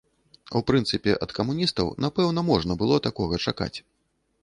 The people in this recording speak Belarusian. У прынцыпе, ад камуністаў, напэўна, можна было такога чакаць.